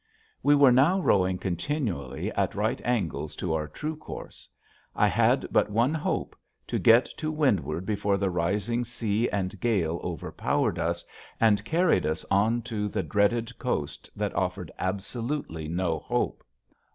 We were now rowing continually at right angles to our true course. I had but one hope, to get to windward before the rising sea and gale overpowered us and carried us onto the dreaded coast that offered absolutely no hope.